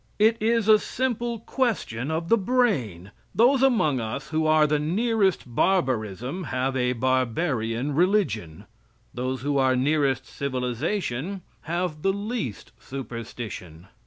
It is a simple question of brain. Those among us who are the nearest barbarism have a barbarian religion. Those who are nearest civilization have the least superstition.